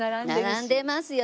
並んでますよ